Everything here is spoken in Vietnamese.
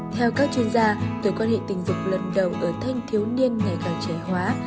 theo các chuyên gia từ quan hệ tình dục lần đầu ở thanh thiếu niên ngày càng trẻ hóa